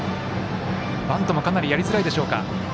バントもかなりやりづらいでしょうか。